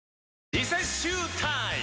リセッシュータイム！